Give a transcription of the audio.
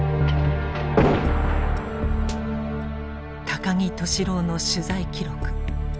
高木俊朗の取材記録。